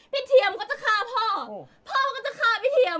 เทียมก็จะฆ่าพ่อพ่อก็จะฆ่าพี่เทียม